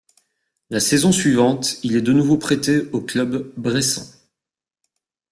La saison suivante, il est de nouveau prêté au club bressan.